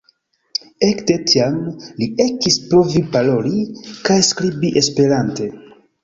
Ekde tiam, Li ekis provi paroli kaj skribi esperante.